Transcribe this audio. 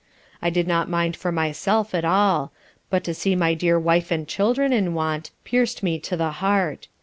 I did not mind for myself at all; but to see my dear wife and children in want pierc'd me to the heart.